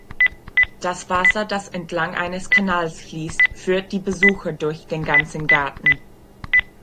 Das Wasser, das entlang eines Kanals fließt, führt die Besucher durch den ganzen Garten.